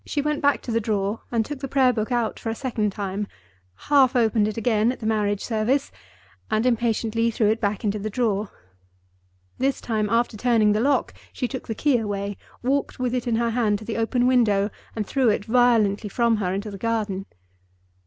She went back to the drawer, and took the Prayer book out for the second time, half opened it again at the Marriage Service, and impatiently threw it back into the drawer. This time, after turning the lock, she took the key away, walked with it in her hand to the open window, and threw it violently from her into the garden.